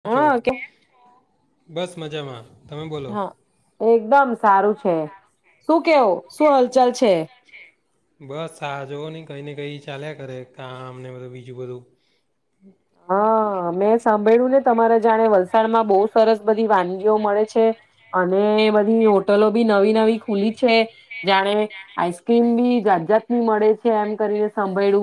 કેમ છો હા કે બસ મજામાં. તમે બોલો. હા એકદમ સારું છે શું કેવું શું હલચલ છે? બસ આ જોવ ની કઈ ને કઈ ચાલ્યા કરે કામને બધું બીજું બધું હા મેં સાંભળ્યું ને તમારા જાણે વલસા વલસાડ માં બો સરસ બધી વાનગીઓ મળે છે અને બધી હોટલો બી નવી નવી ખુલી છે. જાણે આઈસ્ક્રીમ બી જાત જાતની મળે છે એમ કરીને સાભયડુ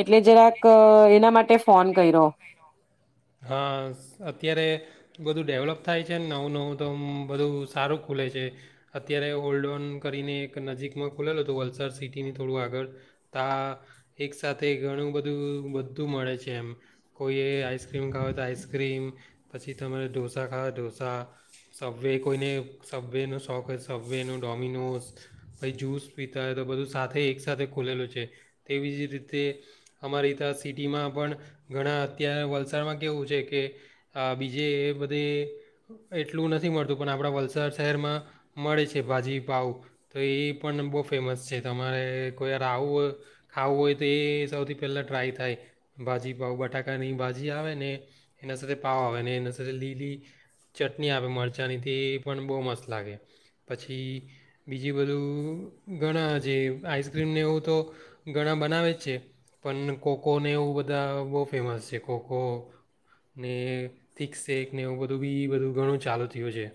એટલે જરાક એના માટે ફોન કર્યો હા અત્યારે બધું ડેવલપ થાય છેને નવું નવું તો મ બધું સારું ખુલે છે અત્યારે ઓલ્ડોન કરીને એક નજીકમાં ખુલેલું હતું વલસાડ સિટીની થોડું આગળ તા એક સાથે ઘણું બધું બધું મળે છે એમ કોઈએ આઈસ્ક્રીમ ખાવ તો આઈસ્ક્રીમ પછી તમારે ઢોસા ખાવ ઢોસા, સબવે કોઈને સબ્વેનો શોખ હોય. સબવેનો ડોમિનોસ પછી જૂસ પીતા હોય તો બધું સાથે એકસાથે ખોલેલું છે તેવી જ રીતે અમારી ત્યાં સિટીમાં પણ ઘણા અત્યારે વલસાડમાં કેવું છે કે બીજે એ બધે એટલું નથી મળતું પણ આપણા વલસાડ શહેરમાં મળે છે ભાજીપાવ તો એ પણ બો ફેમસ છે તમારે કોઈ આવું હોય ખાવું હોય તો એ સૌથી પહેલાં ટ્રાય થાય ભાજીપા પાવ. બટાકાની ભાજી આવે ને એના સાથે પાવ આવે ને એના સાથે લીલી ચટણી આવે મરચાંની તે પણ બહુ મસ્ત લાગે પછી બીજી બધું ઘણા જે આઈસ્ક્રીમને એવું તો ઘણા બનાવે જ છે પણ કોકોને એવું બધા બો ફેમસ છે ખકો ને થિક સેક ને એવું બધું બી બધું ઘણું ચાલુ થયું છે.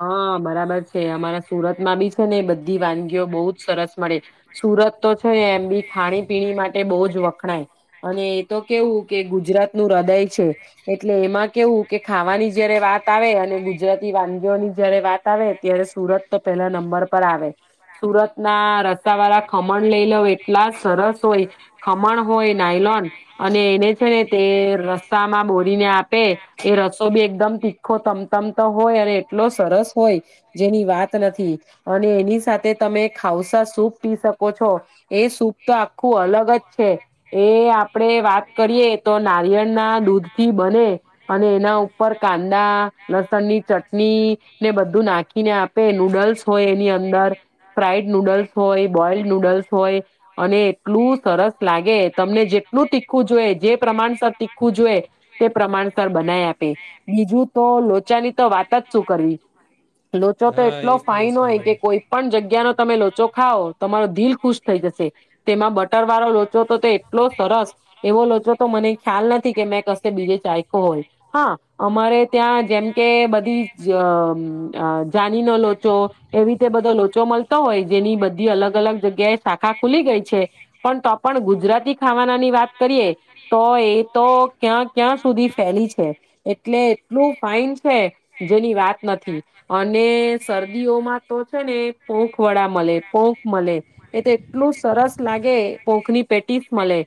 હા બરાબર છે. અમારા સુરતમાં બી છે ને બધી વાનગીઓ બહુ જ સરસ મળે. સુરત તો છે એમ બી ખાણી પીણી માટે બહુ જ વખણાય અને એ તો કેવું કે ગુજરાત નું હૃદય છે એટલે એમાં કેવું કે ખાવાની જયારે વાત આવે અને ગુજરાતી વાનગી ઓ ની જયારે વાત આવે ત્યારે સુરત તો પેલા નંબર પર આવે સુરત ના રસા વાળા ખમણ લઈ લો એટલા સરસ હોય, ખમણ હોય નાયલોન અને એને છે ને તે રસ્સામાં બોરીને આપે, એ રસો બી એકદમ તીખો તમતમતો હોય અને એટલો સરસ હોય જેની વાત નથી અને એની સાથે તમે ખાઉસા સૂપ પી શકો છો એ સૂપ તો આખું અલગ જ છે એ આપડે વાત કરીએ તો નારિયળના દૂધથી બને અને એના ઉપર કાંદા લસણની ચટ ની ને બધું નાખીને આપે નૂડલ્સ હોય એની અંદર ફ્રાઈડ નૂડલ્સ હોય બોઈલ્ડ નૂડલ્સ હોય. અને એટલું સરસ લાગે તમને જેટલું તીખવું જોઈએ જે પ્રમાણસર તીખવું જોઈએ તે પ્રમાણસર બનાઈ આપે, બીજું તો લોચાની તો વાત જ શું કરવી લોચો તો હા એટલો એ પણ ફાાઈન હોય, કે સાંભળ્યું કોઈ પણ જગ્યાનો તમે લોચો ખાઓ તમારો દિલ ખુશ થઈ જશે. તેમાં બટર વાળો લોચો તો તે એટલો સરસ એવો લોચો તો મને ખ્યાલ નથી કે મેં કશે બીજે ચાયખો હોય, હા અમારે ત્યાં જેમ કે બધી જ જાનીનો લોચો એવી રીતે બધો લોચો મતો હોય જેની બધી અલગ અલગ જગ્યાએ શાખા ખુલી લી ગઈ છે પણ તો ગુજરાતી ખાવાનાની વાત કરીએ, તો એ તો ક્યાં ક્યાં સુધી ફેલી છે એટલે એટલું ફાઈન છે. વાત નથી અને શરદીઓમાં તો છે ને પોંખ વડા મલે, પોંખ મલે એ એટલું સરસ લાગે પોંખની પેટીસ મલે,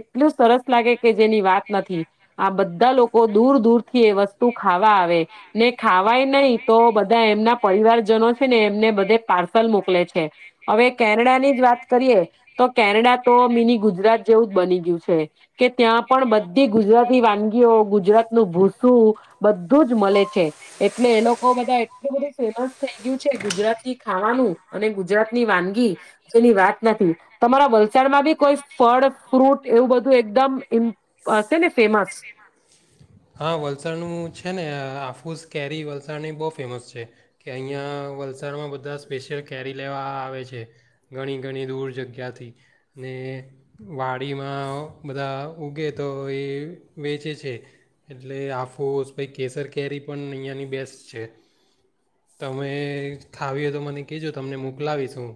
એટલું સરસ લાગે કે જેની વાત નથી, આ બધા લોકો દૂર દૂર થી એ વસ્તુ ખાવા આવે. ને ખાવાય નઈ તો બધા એમના પરિવારજનો છે ને એમને બધે પાર્સલ મોકલે છે, હવે કેનેડાની જ વાત કરીએ તો કેનેડા તો મિની ગુજરાત જેવું જ બની ગયું છે, કે ત્યાં પણ બધી ગુજરાતી વાનગીઓ ગુજરાતનું ભૂસું બધું જ મલે એટલે એ લોકો બધા એટલું બધું ફેમસ થઈ ગયું છે ગુજરાતની ખાવાનું અને ગુજરાતની વાનગી, જેની વાત નથી. તમારા વલસાડમાં બી કોઈ ફળ ફ્રૂટ એવું બધું એકદમ ઇ હશે ને ફેમસ? હા વલસાડનું છે ને આ આફૂસ કેરી વલસાડની બો ફેમસ છે કે અહીંયા વલસાડમાં બધા સ્પેશિયલ કેરી લેવા આવે છે, ઘણી ઘણી દૂર જગ્યાથી ને વાડીમાં બધા ઉગે તો એ વેચે છે એટલે આફુસ પછી કેસર કેરી પણ અઈયાની બેસ્ટ છે, તમે ખાવી હોય તો મને કેજો તમને મોકલાવી હું.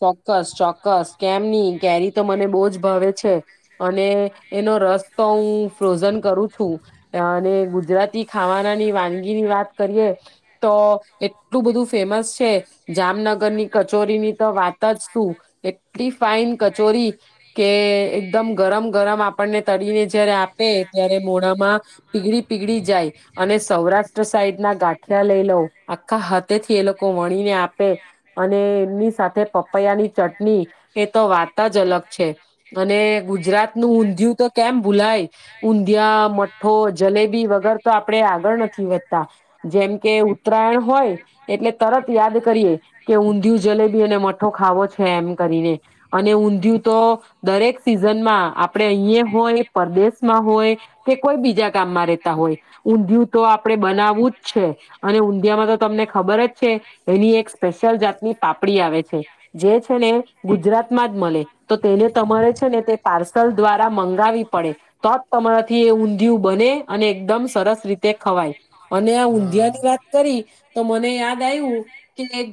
ચોક્કસ, ચોક્કસ, કેમની. કેરી તો મને બો જ ભાવે છે અને એનો રસ તો ઉં ફ્રોઝન કરું છું અને ગુજરાતી ખાવાનાની વાનગીની વાત કરીએ તો એટલું બધું ફેમસ છે જામનગ ની કચોરીની તો વાત જ શું? એટલી ફાઈન કચોરી કે એકદમ ગરમ ગરમ આપણને તરીને જયારે આપે, ત્યારે મોડામાં પીગળી પીગળી જાય અને સૌરાષ્ટ્ર સાઈડ ના ગાંઠિયા લઈ લઉ આખા હાથેથી એ લોકો વણીને આપે અને એમની સાથે પપૈયાની ચટની એ તો વાત જ અલગ છે અને ગુજરાતનું ઊંધિયું તો કેમ ભૂલાય, ઊંધીયા, મઠ્ઠો, જલેબી વગર તો આપણે આગળ નથી વધતા જેમ કે ઉત્તરાયણ હોય એટલે તરત યાદ કરીએ દીવ જલેબી અને મઠો ખાવો છે એમ કરીને. અને ઊંધિયું તો દરેક સિઝનમાં આપણેે અઈયે હોય પરદેશમાં હોય કે કોઈ બીજા ગામમાં રહેેતા હોય, ઊંધિયું તો આપડે બનાવવું જ છે અને ઊંધીયામાં તો તમને ખબર જ છે એની એક જાતની પાપડી આવે છે, જે છે ને ગુજરાત મા જ મલે તો તેને તમારે છે ને તે પાર્સલ દ્વારા મંગાવી પડે તો જ તમારાથી એ ઊંધિયું બને અને એકદમ સરસ રીતે ખવાય અને આ ઊંધીયાની વાત કરી તો મને યાદ આયવુ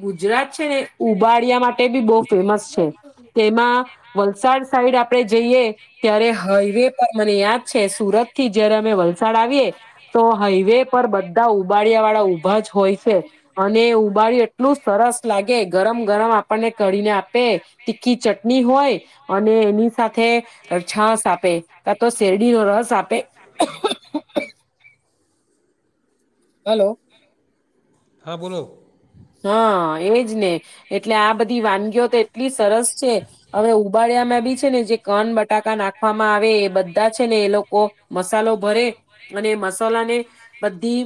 ગુજરાત છે ને ઉભાડ ડિયા માટે બી બો ફેમસ છે, તેમાં વલસાડ સાઈડ આપડે જઈએ ત્યારે હાઈવે પર મને યાદ છે સુરતથી જયારે અમે વલસાડ આવીએ, તો હાઈવે પર બધા ઉબાડિયા વાળા ઊભા જ હોય છે અને ઉબાડિયુ એટ એટલું સરસ લાગે ગરમ ગરમ આપ કાઢીને આપે તીખી ચટણી હોય અને એની સાથે છાસ આપે કા તો શેરડી નો રસ આપે. હલો. હા બોલો. હા એજ ને એટલે આ બધી વાનગીઓ તો એટલી સરસ છે હવે ઉબાડ્યામાં બી છે ને જે કન બટ બટાકા નાખવામાં આવે એ બધા છે ને એ લોકો મસાલો ભરે અને મસાલા ને બધી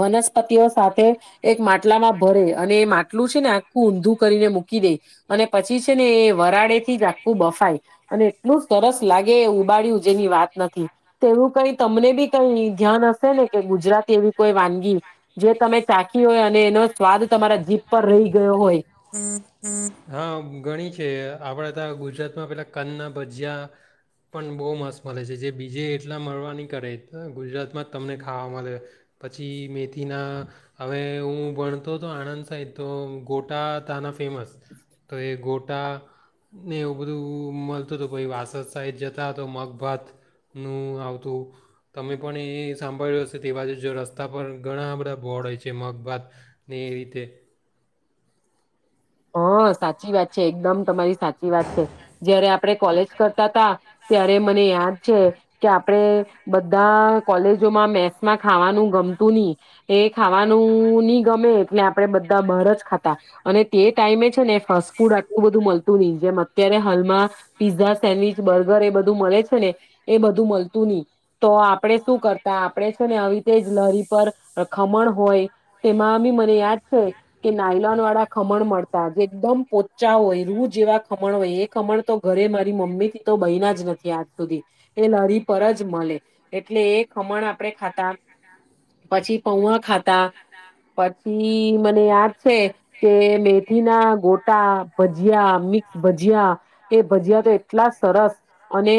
વનસ્પતિઓ સાથે એક માટ માટલામાં ભરે અને એ માટલું છે ને આખું ઊંધું કરીને મૂકી દે અને પછી છે ને એ વરાડે થી જ આખું બફાય અને એટલું સરસ લાગે એ ઉબાડ્યું જેની વાત નથી તેવું કઈ તમને બી કઈ ધ્યાન હશે ને કે ગુજરાત એવી કોઈ વાનગી જે તમે ચાખી હોય. એનો સ્વાદ તમારા જીભ પર રહી ગયો હોય. આપડે તા ગુજરાતમાં પેલા કન ના ભજીયા પણ બહુ મસ્ત મળે છે જે બીજે એટલા મળવાની કરે. ગુજરાતમાં જ તમને ખાવા મળે પછી મેથીના હવે હું ભણતો હતો આણંદ સાઇડ તો ગોટા તાના ફેમસ તો એ ગોટા ને એવું બધું મલ મલતું તો પછી વાસદ સાઇડ જતા તો મગભાતનું આવતું તમે પણ એ સાંભળ્યું હશે તે બાજુ જો રસ્તા પર ઘણા બધા બોડ હોય છે મગભાતને એ રીતે હા સાચી વાત છે. એકદમ તમારી સાચી વાત છે. જયારે આપ આપણે કોલેજ કરતા તા ત્યારે મને યાદ છે કે આપણે બધા કોલેજોમાં મેસમાં ખાવાનું ગમતું નહી. એ ખાવાનું નહી ગમે એટલે આપણે બધા બાર જ ખાતા અને તે ટાઈમે છે ને ફાસ્ટ ફૂડ આટલું બધું મળતું નહી જેમ અત્યારે હાલમાં પીઝા, સેન્ડવીચ, બર્ગર એ બધું મળે છે ને એ બધું મળતું નહી તો આપણે શું કરતા આપણે છે ને આવીતે જ લારી પર ખમણ હોય તેમાં બી મને યાદ છે કે નાયલોન વાળા ખમણ મળતા. જે એકદમ પોચા હોય રૂ જેવા ખમણ હોય એ ખમણ તો ઘરે મારી મમ્મી થી તો બય ના જ નથી આજ સુધી એ લારી પર જ મળે એટલે એ ખમણ આપડે ખાતા પછી પૌવા ખાતા પછી મને યાદ છે કે મેથી ના ગોટા, ભજીયા, મિક્સ ભજીયા એ ભજીયા તો એટલા સરસ અને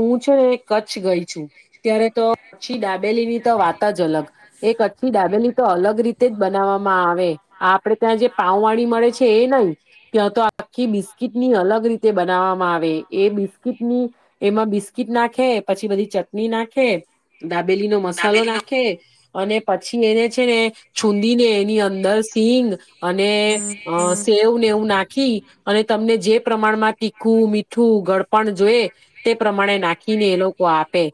હું છે ને કચ્છ ગઈ છું ત્યારે તો કચ્છી દાબેલી ની તો વાત જ અલગ એ કચ્છી દાબેલી તો અલગ રીતે જ બનાવવામાં આવે આપડે ત્યાં જે પાઉ વાડી મળે છે એ નય ત્યાં તો આખી બિસ્કીટ ની અલગ રીતે બનાવવામાં આવે એ બિસ્કીટ ની એમાં બિસ્કીટ નાખે પછી બધી ચટણી નાખે દાબે દાબેલી નો મસાલો નાખે. અને પછી એને છે ને છુંદી ને એની અંદર સિંગ અને અ સેવ ને એવું નાખી અને તમને જે પ્રમાણમાં તીખું મીઠું ગડપણ જોયે તે પ્રમાણે નાખીને એ લોકો આપે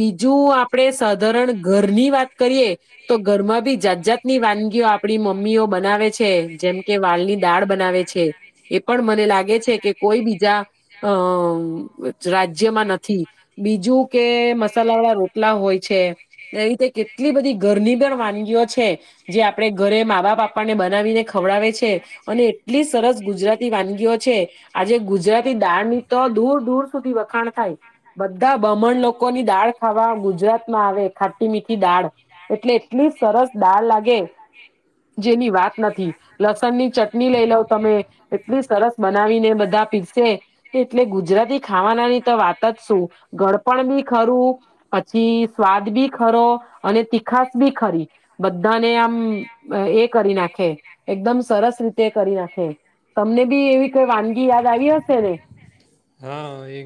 બીજું આપણે સાધારણ ઘરની વાત કરીએ તો ઘરમાં બી જાત જાતની વાનગીઓ આપણી મમ્મીઓ બનાવે છે. જેમ કે વાલની દાળ બનાવે છે એ પણ મને લાગે છે કે કોઈ બીજા અ રાજ્ય બીજું કે મસાલા વાળા રોટલા હોય છે. એ રીતે કેટલી બધી ઘરની પણ વાનગીઓ છે જે આપડે ઘરે મા બાપ આપડને બ ખવડાવે છે અને એટલી સરસ ગુજરાતી વાનગીઓ છે. આજે ગુજરાતી દાળ ની તો દૂર દૂર સુધી વખ બધા બાહ્મણ લોકોની દાળ ખાવા ગુજરાત માં આવે. ખાટી મીઠી દાળ એટલે એટલી સરસ દાળ લાગે જેની વાત લસણ ની ચટણી લઈ લવ તમે એટલી સરસ બનાવીને બધા પીરસે એટલે ગુજરાતી ખાવાના તો વાત જ શું? ગડપણ બી ખરું પછી સ્વાદ બી ખરો અને તીખાસ બી ખરી બધાને આમ એ કરી નાખે. એકદમ સરસ રીતે કરી નાખે તમને બી એવીઈ વાનગી યાદ આવી હશે ને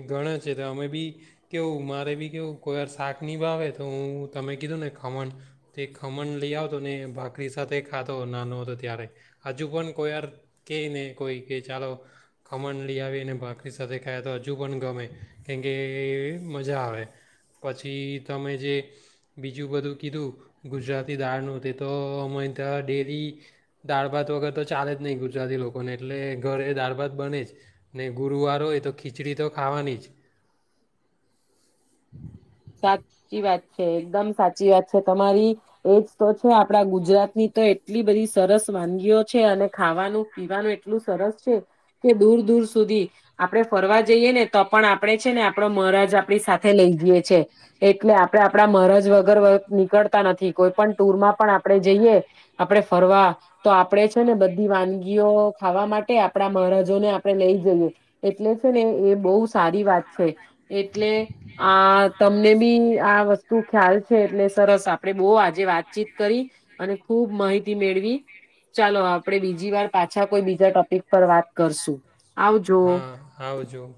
ગણે છે તો અમે બી કેવું મારે બી કેવું કોઈ વાર શાક નિભાવે તો હું તમે કીધું ને ખમણ તે ખમણ લઈ આવતો ને ભાખરી સાથે ખાતો નાનો હતો ત્યારે હજુ પણ કોઈ વાર ક ને કોઈ કે ચાલો ખમણ લઈ આવી ને ભાખરી સાથે ખાાય તો હજુ પણ ગમે કેમકે મજા આવે પછી તમે જે બીજું બધું કીધું ગુજરાતી દાળનું તે તો, અમારી ત્યાં ડેરી દાળ ભાત વગર તો ચાલે જ નહીં. ગુજરાતી લોકોને એટલે ઘરે દાળ ભાત બને જ ને ગુરુવાર હોય તો ખીચડી તો ખાવાની જ [inaudible] સાચી વાત છે એકદમ સાચી વાત છે તમારી એજ તો છે આપડા ગુજરાતની તો એટલી બધી સરસ વાનગીઓ છે અને ખાવાનું પીવાનું એટલું સરસ છે કે દૂર દૂર સુધી આપડણે ફરવા જઈએ ને તો પણ આપડે છે ને આપડો મહારાજ આપણી સાથે લઈ જઈએ છે. એટલે આપડણે આપણા મહારાજ વગર નીકળતા નથી કોઈ પણ ટુરમાં પણ આપણે જઈએ આપણે ફરવા તો આપણેે છે ને બધી વાનગીઓ ખાવા માટે આપણા મહારાજોને આપણે લઈ જઈએ એટલે છે ને એ બહુ સારી વાત કઇ એટલે આ તમને બી આ વસ્તુ ખ્યાલ છે એટલે સરસ આપડે બહુ આજે વાતચીત કરી અને ખુબ માહિતી મેળવી ચાલો આપ આપે બીજી વાર પાછા કોઈ બીજા ટોપિક પર વાત કરશું આવજો. હા આવજો